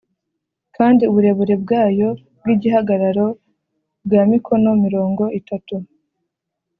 kandi uburebure bwayo bw’igihagararo bwari mikono mirongo itatu